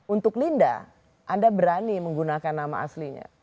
untuk linda anda berani menggunakan nama aslinya